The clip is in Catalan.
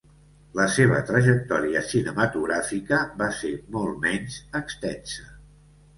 La seva trajectòria cinematogràfica va ser molt menys extensa.